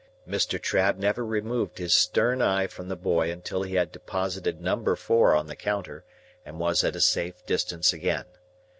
Mr. Trabb never removed his stern eye from the boy until he had deposited number four on the counter and was at a safe distance again.